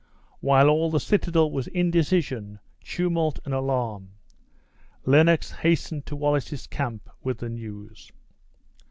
While all the citadel was indecision, tumult, and alarm, Lennox hastened to Wallace's camp with the news.